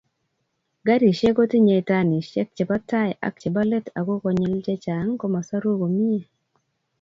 Garisiek kotinyei tanisiek chebo tai ak chebo let ago konyil chechang komosoru komie